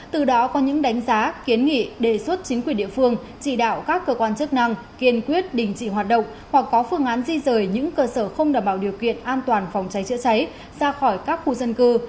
từ đó có những đánh giá kiến nghị đề xuất chính quyền địa phương chỉ đạo các cơ quan chức năng kiên quyết đình chỉ hoạt động hoặc có phương án di rời những cơ sở không đảm bảo điều kiện an toàn phòng cháy chữa cháy ra khỏi các khu dân cư